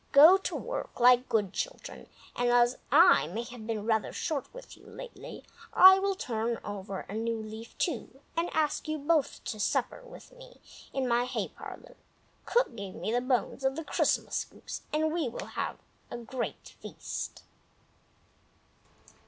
Go to work, like good children, and as I may have been rather short with you lately I will turn over a new leaf, too, and ask you both to supper with me in my hay parlor. Cook gave me the bones of the Christmas goose, and we will have a great feast."